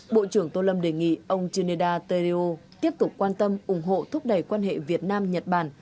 bộ trưởng tô lâm đề nghị ông geneda teleo tiếp tục quan tâm ủng hộ thúc đẩy quan hệ việt nam nhật bản